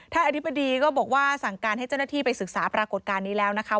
อธิบดีก็บอกว่าสั่งการให้เจ้าหน้าที่ไปศึกษาปรากฏการณ์นี้แล้วนะคะ